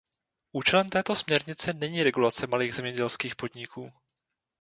Účelem této směrnice není regulace malých zemědělských podniků.